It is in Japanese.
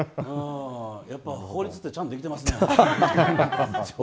やっぱり法律ってちゃんとできてますね。